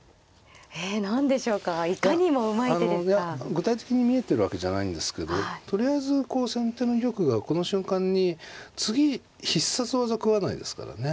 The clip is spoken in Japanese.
具体的に見えてるわけじゃないんですけどとりあえずこう先手の玉がこの瞬間に次必殺技食わないですからね。